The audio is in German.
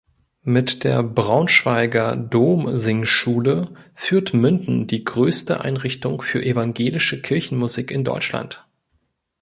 Mit der Braunschweiger Domsingschule führt Münden die größte Einrichtung für evangelische Kirchenmusik in Deutschland.